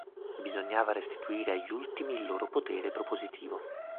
Bisognava restituire agli ultimi il loro potere propositivo.